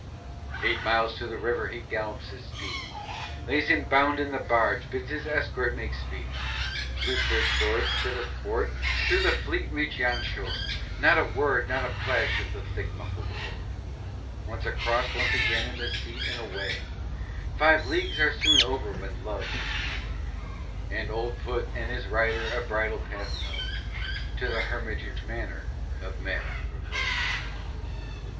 Eight miles to the river he gallops his steed, Lays him bound in the barge, bids his escort make speed, Loose their swords, sit athwart, through the fleet reach yon shore. Not a word not a plash of the thick muffled oar! Once across, once again in the seat and away Five leagues are soon over when love has the say; And "Old Put" and his rider a bridle path know To the Hermitage manor of Madame Prevost.